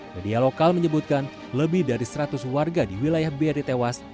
media lokal menyebutkan lebih dari seratus warga di wilayah beri tewas